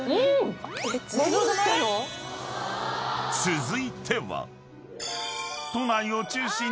［続いては］